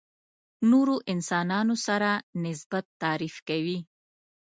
نورو انسانانو سره نسبت تعریف کوي.